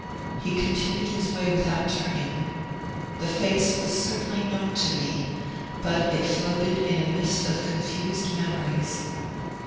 He continued his way without turning. The face was certainly known to me; but it floated in a mist of confused memories.